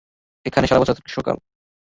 এখানে সারা বছর গ্রীষ্মকাল।